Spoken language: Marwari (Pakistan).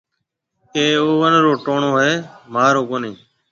اَي اوون رو ٽوڻو هيَ مهارو ڪونَي